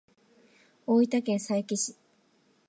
大分県佐伯市